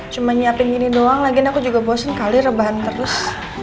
cuma siapin gini doang lagi aku juga bosen kali rebahan terus